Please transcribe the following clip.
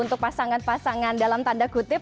untuk pasangan pasangan dalam tanda kutip